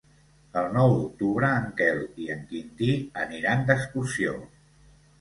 El nou d'octubre en Quel i en Quintí aniran d'excursió.